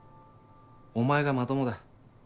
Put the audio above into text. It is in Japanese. お前がまともだ。